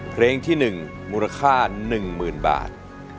เพลงที่หนึ่งมูลค่า๑หมื่นบาท